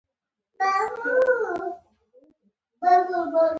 څه ښه پلمه یې جوړه کړې ده !